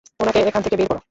ওনাকে এখান থেকে বের করো।